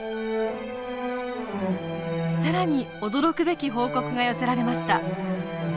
更に驚くべき報告が寄せられました。